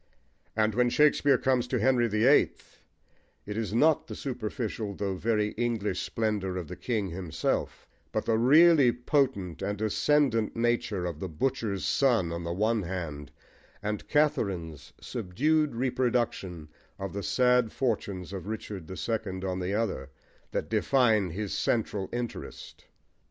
And when Shakespeare comes to Henry the Eighth, it is not the superficial though very English splendour of the king himself, but the really potent and ascendant nature of the butcher's son on the one hand, and Katharine's subdued reproduction of the sad fortunes of Richard the Second on the other, that define his central interest.